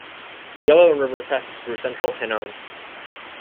The Yellow River passes through central Henan.